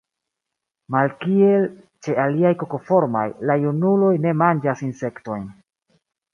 Malkiel ĉe aliaj kokoformaj, la junuloj ne manĝas insektojn.